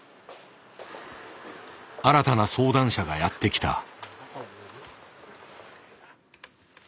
新たな相談者がやって来た。